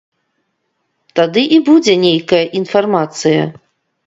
Тады і будзе нейкая інфармацыя.